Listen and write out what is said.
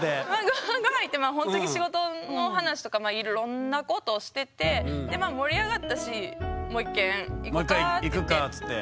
ご飯行ってほんとに仕事の話とかいろんなことしてて盛り上がったしもう１軒行こかって。